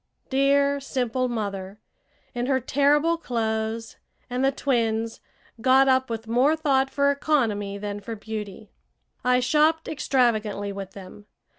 Dear, simple mother, in her terrible clothes, and the twins, got up with more thought for economy than for beauty! I shopped extravagantly with them.